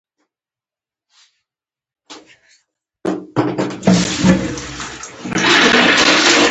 د بې کیفیته تیلو واردولو مخه نیول کیږي.